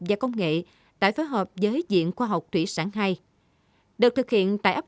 và công nghệ tại phối hợp giới diện khoa học thủy sản ii được thực hiện tại ấp